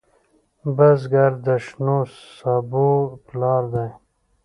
بزګر د شنو سبو پلار دی